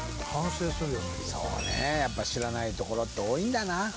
やっぱ知らないところって多いんだな